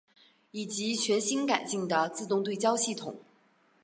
以及全新改进的自动对焦系统。